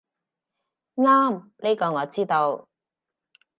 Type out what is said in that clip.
啱，呢個我知道